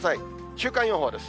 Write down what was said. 週間予報です。